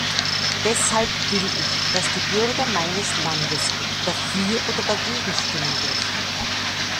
Deshalb will ich, dass die Bürger meines Landes dafür oder dagegen stimmen dürfen.